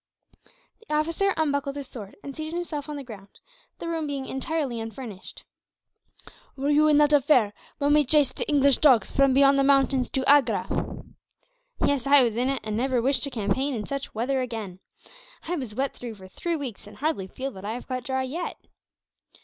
The officer unbuckled his sword, and seated himself on the ground, the room being entirely unfurnished. "Were you in that affair, when we chased the English dogs from beyond the mountains to Agra?" "Yes, I was in it; and never wish to campaign in such weather again. I was wet through for three weeks; and hardly feel that I have got dry, yet."